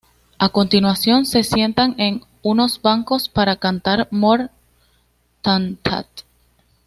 A continuación se sientan en unos bancos para cantar More Than That.